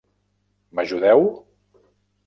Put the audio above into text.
M'ajudeu?